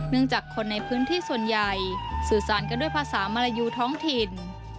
จากคนในพื้นที่ส่วนใหญ่สื่อสารกันด้วยภาษามารยูท้องถิ่น